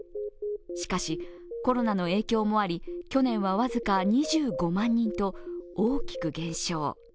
しかし、コロナの影響もあり、去年は僅か２５万人と大きく減少。